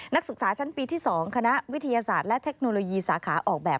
นักศึกษาชั้นปีที่๒คณะวิทยาศาสตร์และเทคโนโลยีสาขาออกแบบ